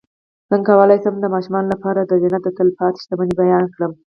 څنګه کولی شم د ماشومانو لپاره د جنت د تل پاتې شتمنۍ بیان کړم